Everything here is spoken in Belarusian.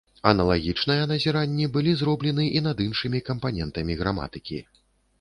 Аналагічныя назіранні былі зроблены і над іншымі кампанентамі граматыкі.